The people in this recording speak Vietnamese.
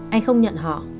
anh không nhận họ